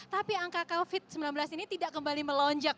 tapi angka covid sembilan belas ini tidak kembali melonjak